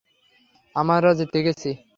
আমরা জিতে গেছি।